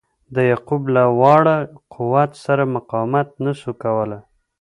د یعقوب له واړه قوت سره مقاومت نه سو کولای.